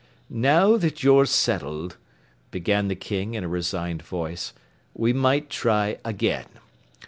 "Now that you're settled," began the King in a resigned voice, "we might try again.